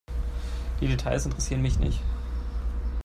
Die Details interessieren mich nicht.